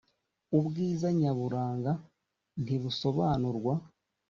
ubwiza nyaburanga ntibusobanurwa.